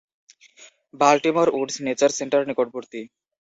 Baltimore Woods Nature Center নিকটবর্তী।